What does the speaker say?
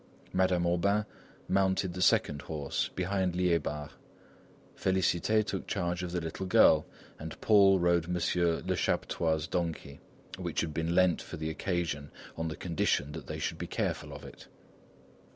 Madame Aubain mounted the second horse, behind Liébard. Félicité took charge of the little girl, and Paul rode M. Lechaptois' donkey, which had been lent for the occasion on the condition that they should be careful of it.